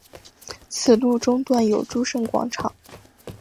此路中段有诸圣广场。